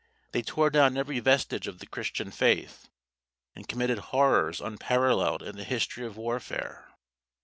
They tore down every vestige of the Christian faith, and committed horrors unparalleled in the history of warfare.